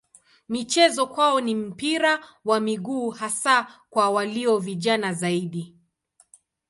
Michezo kwao ni mpira wa miguu hasa kwa walio vijana zaidi.